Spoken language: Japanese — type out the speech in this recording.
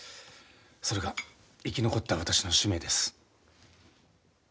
それが生き残った私の使命です。